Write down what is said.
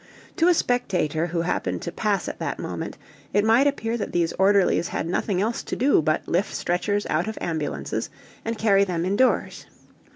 To a spectator who happened to pass at that moment it might appear that these orderlies had nothing else to do but lift stretchers out of ambulances and carry them indoors.